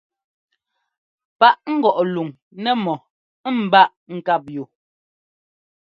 Paʼá ŋgɔʼ luŋ nɛ́mɔ ɛ́ ḿbaa ŋkáp yu.